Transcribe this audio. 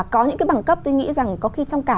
có những cái bằng cấp tôi nghĩ rằng có khi trong cả